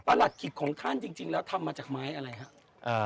ประหลัดขิดของท่านจริงแล้วทำมาจากไม้อะไรฮะ